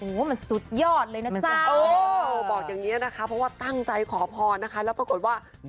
โหววสุดยอดเลยนะจ้า